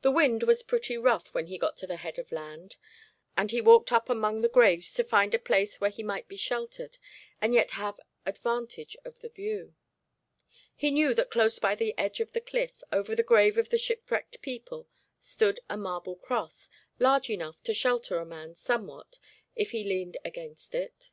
The wind was pretty rough when he got to the head of land, and he walked up among the graves to find a place where he might be sheltered and yet have advantage of the view. He knew that close by the edge of the cliff, over the grave of the shipwrecked people, stood a marble cross, large enough to shelter a man somewhat if he leaned against it.